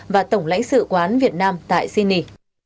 và tổng lãnh sự quán việt nam tại sydney